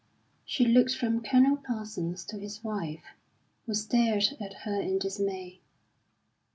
She looked from Colonel Parsons to his wife, who stared at her in dismay.